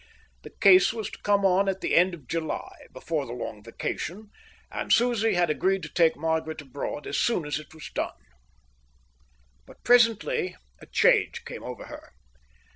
The case was to come on at the end of July, before the long vacation, and Susie had agreed to take Margaret abroad as soon as it was done. But presently a change came over her.